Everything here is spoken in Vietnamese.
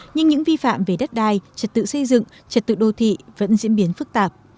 nhưng những vi phạm về đất đai trật tự xây dựng trật tự đô thị vẫn diễn biến phức tạp